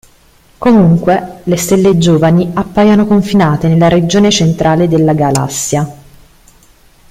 Comunque, le stelle giovani appaiono confinate nella regione centrale della galassia.